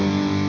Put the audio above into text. ya allah opi